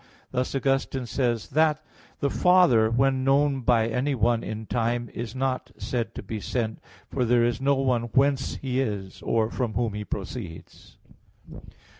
Thus Augustine says (De Trin. iv, 20) that "The Father, when known by anyone in time, is not said to be sent; for there is no one whence He is, or from whom He proceeds."